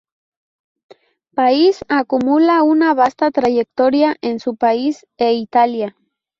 País acumula una vasta trayectoria en su país e Italia.